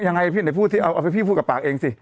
ยังไงพี่เอาไปพี่พูดกับปากเองสิ